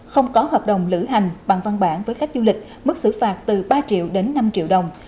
không có hợp đồng lữ hành bằng văn bản với khách du lịch mức xử phạt từ ba triệu đến năm triệu đồng